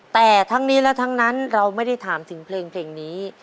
แต่ทั้งนี้และทั้งนั้นเราไม่ได้ถามถึงเพลงนี้